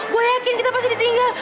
gue yakin kita pasti ditinggal